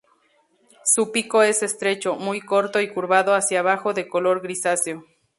Su pico es estrecho, muy corto y curvado hacia abajo de color grisáceo.